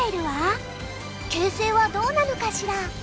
形勢はどうなのかしら。